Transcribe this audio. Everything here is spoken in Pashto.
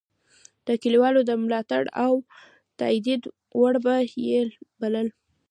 د کلیوالو د ملاتړ او تایید وړ به یې بلل.